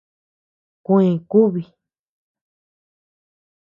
Kuè kubi.